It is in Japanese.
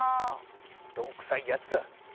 鈍くさいやつだ！